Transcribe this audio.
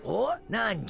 なんじゃ？